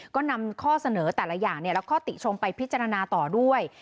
ก็นำข้อเสนอแต่ละอย่างและข้อติชมไปพิจารณาต่อด้วย